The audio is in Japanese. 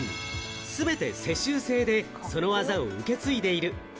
全て世襲制で、その技を受け継いでいる。